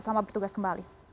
selamat bertugas kembali